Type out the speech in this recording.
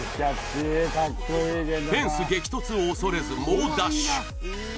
フェンス激突を恐れず猛ダッシュ